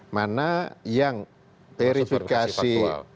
mana yang verifikasi